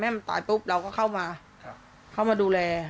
พอแม่มันตายปุ๊บเราก็เข้ามาดูแล